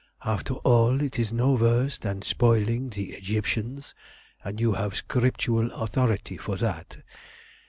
"After all, it is no worse than spoiling the Egyptians, and you have scriptural authority for that.